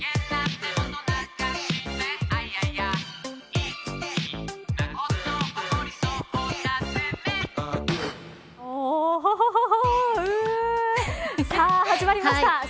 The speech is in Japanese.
さあ、始まりました。